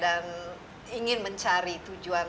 dan ingin mencari tujuan